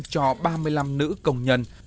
cho ba mươi năm nữ công nhân